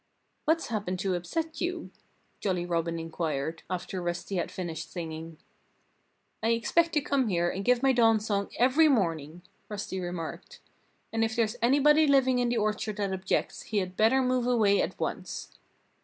"What's happened to upset you?" Jolly Robin inquired, after Rusty had finished singing. "I expect to come here and give my dawn song every morning," Rusty remarked. "And if there's anybody living in the orchard that objects, he had better move away at once."